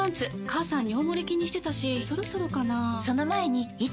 母さん尿モレ気にしてたしそろそろかな菊池）